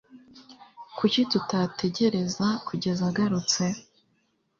Kuki tutategereza kugeza agarutse?